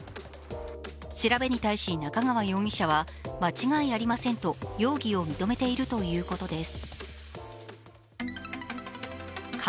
調べに対し中川容疑者は間違いありませんと容疑を認めているということです。